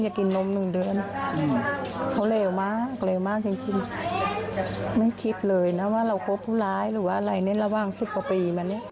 ป่านสิบกว่าปีมานี้